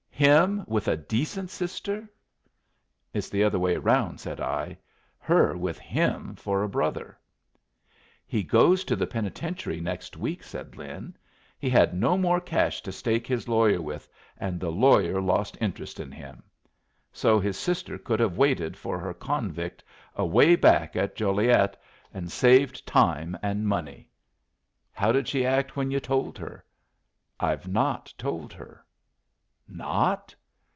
"Him with a decent sister!" "It's the other way round," said I. "Her with him for a brother!" "He goes to the penitentiary this week," said Lin. "He had no more cash to stake his lawyer with, and the lawyer lost interest in him. So his sister could have waited for her convict away back at Joliet, and saved time and money. How did she act when yu' told her?" "I've not told her." "Not?